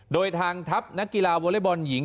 โดยทางทัพนักกีฬาวอเล็กบอลหญิง